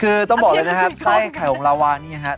คือต้องบอกเลยนะครับไส้ไข่ของลาวานี่ครับ